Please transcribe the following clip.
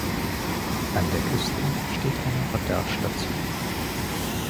An der Küste steht eine Radarstation.